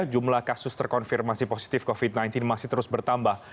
jumlah kasus terkonfirmasi positif covid sembilan belas masih terus bertambah